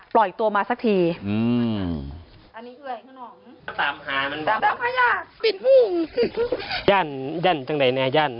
ปล่อยตัวมาสักที